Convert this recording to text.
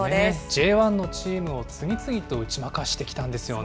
Ｊ１のチームを次々と打ち負かしてきたんですよね。